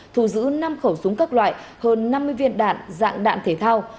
thu giữ năm khẩu súng các loại hơn năm mươi viên đạn dạng đạn thể thao